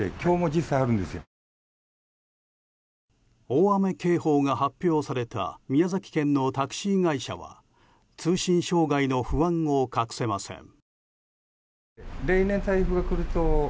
大雨警報が発表された宮崎県のタクシー会社は通信障害の不安を隠せません。